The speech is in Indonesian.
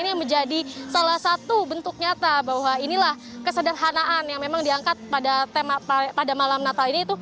ini menjadi salah satu bentuk nyata bahwa inilah kesederhanaan yang memang diangkat pada malam natal ini